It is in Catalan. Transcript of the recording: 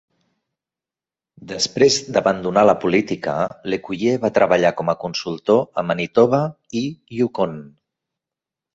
Després d'abandonar la política, Lecuyer va treballar com a consultor a Manitoba i Yukon.